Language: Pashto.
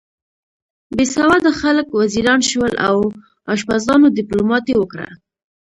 بې سواده خلک وزیران شول او اشپزانو دیپلوماتۍ وکړه.